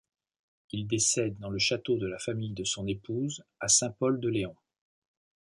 Il décède dans le château de la famille de son épouse à Saint-Pol-de-Léon.